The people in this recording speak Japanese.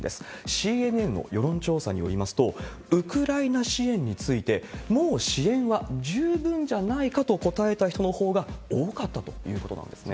ＣＮＮの世論調査によりますと、ウクライナ支援について、もう支援は十分じゃないかと答えた人のほうが多かったということなんですね。